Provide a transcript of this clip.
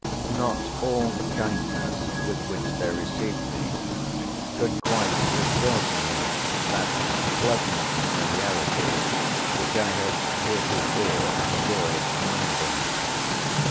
Not all the kindness with which they received me could quite restore to me that pleasant familiarity, which I had heretofore enjoyed among them.